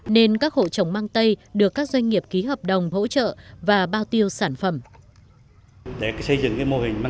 nên các hộ trồng mang tây được các doanh nghiệp ký hợp đồng hỗ trợ và bao tiêu sản phẩm